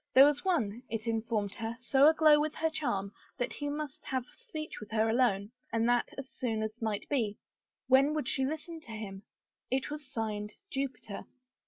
There was one, it informed her, so aglow with her charm that he must have speech with her alone and that as soon as might be. When would she listen to him? It was signed Jupiter.